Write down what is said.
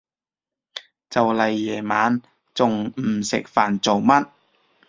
就嚟夜晚，仲唔食飯做乜？